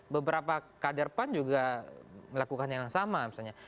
beberapa kader pan juga melakukan yang sama misalnya